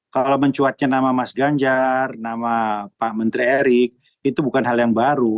kalau mencuatnya nama mas ganjar nama pak menteri erik itu bukan hal yang baru